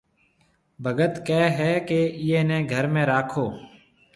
ڀگت ڪھيََََ ھيَََ ڪہ ايئيَ نيَ گھر ۾ راکو